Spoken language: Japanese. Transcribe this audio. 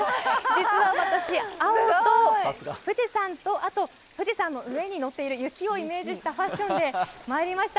実は私、青と富士山と富士山の上にのっている雪をイメージしたファッションで来ました。